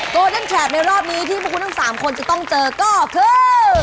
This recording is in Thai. โกรธแชทในรอบนี้ที่ทุกคุณทั้ง๓คนจะต้องเจอก็คือ